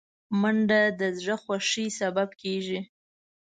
منډه د زړه خوښۍ سبب کېږي